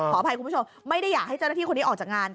อภัยคุณผู้ชมไม่ได้อยากให้เจ้าหน้าที่คนนี้ออกจากงาน